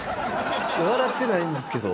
笑ってないんですけど。